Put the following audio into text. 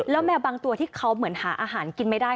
แล้วแมวบางตัวที่เขาเหมือนหาอาหารกินไม่ได้